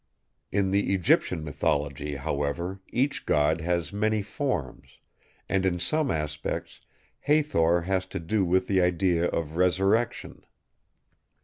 In the Egyptian mythology, however, each God has many forms; and in some aspects Hathor has to do with the idea of resurrection.